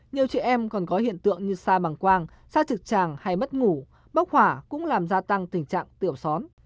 nhiều trẻ em còn có hiện tượng như xa bằng quang xa trực tràng hay mất ngủ bốc hỏa cũng làm gia tăng tình trạng tiểu són